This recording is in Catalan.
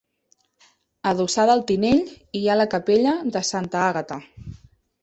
Adossada al Tinell hi ha la Capella de Santa Àgata.